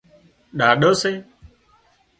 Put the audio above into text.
ڏاڏو سي